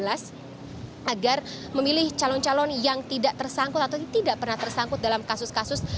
agar memilih calon calon yang tidak tersangkut atau tidak pernah tersangkut dalam kasus kasus